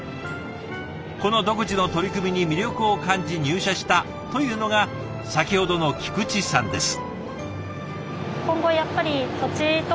この独自の取り組みに魅力を感じ入社したというのが先ほどの菊池さんです。